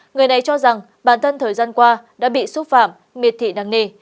người này cho rằng bản thân thời gian qua đã bị xúc phạm miệt thị nặng nề